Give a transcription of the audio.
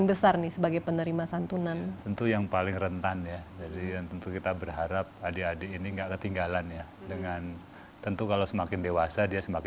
dan bersama kami indonesia forward masih akan kembali sesaat lagi